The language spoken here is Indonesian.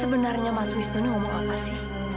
sebenarnya mas wisnu ini ngomong apa sih